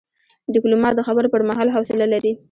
ډيپلومات د خبرو پر مهال حوصله لري.